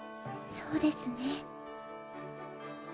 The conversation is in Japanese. そうですね。